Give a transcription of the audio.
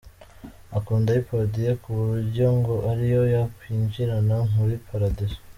Akunda iPod ye ku buryo ngo ariyo yakwinjirana muri Paradizo.